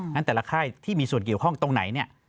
นั่นแต่ละค่ายที่มีส่วนเกี่ยวข้องตรงไหน